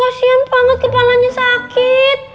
kasian banget kepalanya sakit